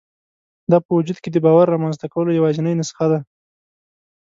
دا په وجود کې د باور رامنځته کولو یوازېنۍ نسخه ده